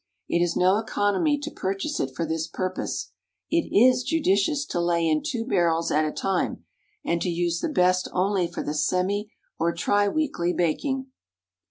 It is no economy to purchase it for this purpose. It is judicious to lay in two barrels at a time, and to use the best only for the semi or tri weekly baking.